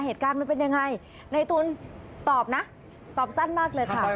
เหตุการณ์มันเป็นยังไงในตูนตอบนะตอบสั้นมากเลยค่ะ